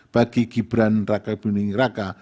bagi gibran raka buming raka